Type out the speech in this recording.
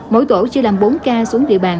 mỗi tổ chia làm bốn ca xuống địa bàn